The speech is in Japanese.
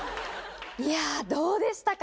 いやどうでしたか？